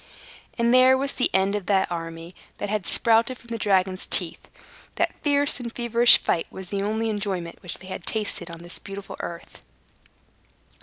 And there was the end of the army that had sprouted from the dragon's teeth. That fierce and feverish fight was the only enjoyment which they had tasted on this beautiful earth.